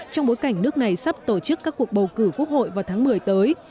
trong bối cảnh nước này sắp tổ chức các cuộc bầu cử quốc hội vào tháng một mươi tới